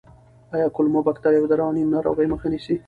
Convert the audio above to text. آیا کولمو بکتریاوې د رواني ناروغیو مخه نیسي؟